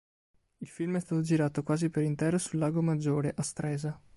Il film è stato girato quasi per intero sul Lago Maggiore, a Stresa.